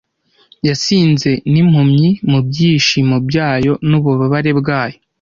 yasinze nimpumyi mubyishimo byayo nububabare bwayo.